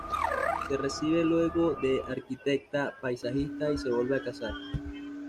Se recibe luego de arquitecta paisajista y se vuelve a casar.